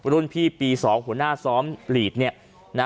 รุ่นพี่ปี๒หัวหน้าซ้อมหลีด